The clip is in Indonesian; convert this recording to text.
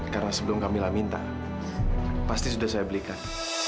karena sebelum kamilah minta pasti sudah saya belikan